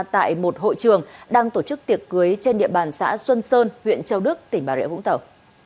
tại một hội trường đang tổ chức tiệc cưới trên địa bàn xã xuân sơn huyện châu đức tỉnh bà rịa vũng tàu